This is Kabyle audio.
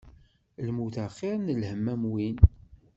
Lmut axir n lhemm am win.